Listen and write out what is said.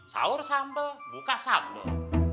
saur sambel buka sambel